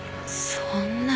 そんな。